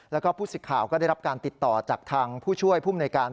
แล้วก็ผู้สิทธิ์ข่าวก็ได้รับการติดต่อจากทางผู้ช่วยภูมิในการ